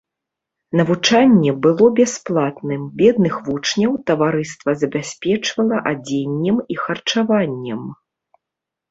Навучанне было бясплатным, бедных вучняў таварыства забяспечвала адзеннем і харчаваннем.